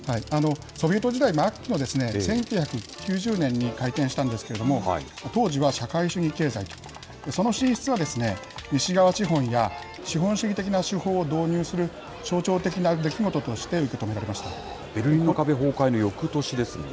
ソビエト時代末期の１９９０年に開店したんですけれども、当時は社会主義経済、その進出は、西側資本や資本主義的な手法を導入する象徴的な出来事として受けベルリンの壁崩壊のよくとしですね。